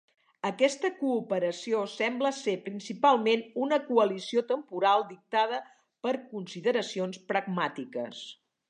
Aquesta cooperació sembla ser principalment una coalició temporal dictada per consideracions pragmàtiques.